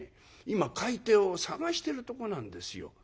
今買い手を探してるとこなんですよ」。